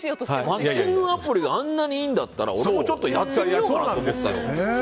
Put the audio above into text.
マッチングアプリがあんなにいいんだったら俺もやってみようかなと思った。